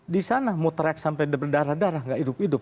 di sana mutrek sampai berdarah darah nggak hidup hidup